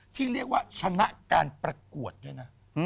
ที่เรียกว่าชนะการประกวดด้วยนะ